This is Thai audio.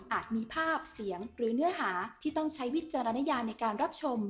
มีภาพเสียงหรือเนื้อหาที่ต้องใช้วิจารณญาในการรับชม